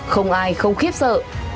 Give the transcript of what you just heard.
không ai không khiếp sợ